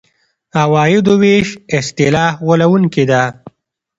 عوایدو وېش اصطلاح غولوونکې ده.